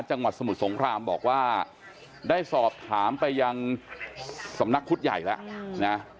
จังหวัดสมุทรสงครามบอกว่าได้สอบถามไปยังสำนักพุทธใหญ่แล้วนะ